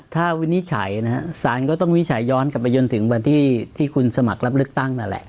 ถ้าวินิจฉัยนะฮะสารก็ต้องวินิจฉัยย้อนกลับไปจนถึงวันที่คุณสมัครรับเลือกตั้งนั่นแหละ